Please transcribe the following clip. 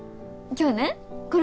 今日ねころ